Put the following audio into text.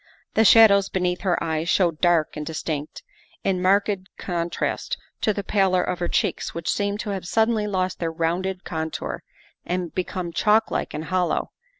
The shadows beneath her eyes showed dark and distinct, in marked contrast to the pallor of her cheeks, which seemed to have suddenly lost their rounded contour and become chalk like and hollow.